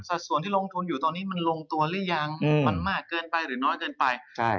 ส่วนที่ลงทุนอยู่ตอนนี้มันลงตัวหรือยังมันมากเกินไปหรือน้อยเกินไปใช่